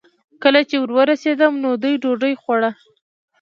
کله چې ور ورسېدم، نو دوی ډوډۍ خوړه.